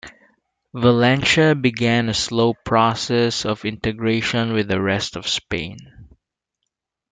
Valencia began a slow process of integration with the rest of Spain.